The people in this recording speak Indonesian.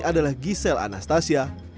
adalah giselle anastasia